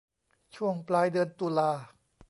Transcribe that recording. ช่วงปลายเดือนตุลา